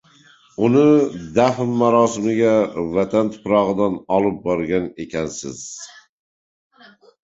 Uni dafn marosimiga vatan tuprog‘idan olib borgan ekansiz…